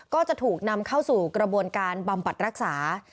ก็จะถูกนำเข้าสู่กระบวนการบำบัดรักษา